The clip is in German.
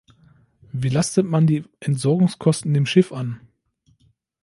Wie lastet man die Entsorgungskosten dem Schiff an?